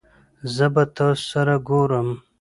زه به تاسو سره ګورم